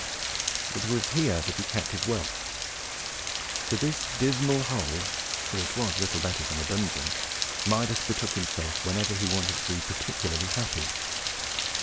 It was here that he kept his wealth. To this dismal hole for it was little better than a dungeon Midas betook himself, whenever he wanted to be particularly happy.